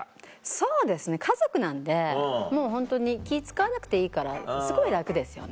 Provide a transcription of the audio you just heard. そうですね家族なんでもうホントに気使わなくていいからすごい楽ですよね。